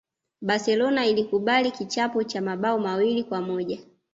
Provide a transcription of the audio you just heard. barcelona ilikubali kichapo cha mabao mawili kwa moja